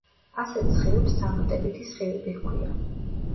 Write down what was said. ასეთ სხივებს დამატებითი სხივები ჰქვია.